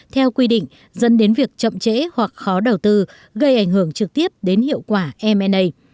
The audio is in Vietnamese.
theo quy định dân đến việc chậm trễ hoặc khó đầu tư gây ảnh hưởng trực tiếp đến hiệu quả mna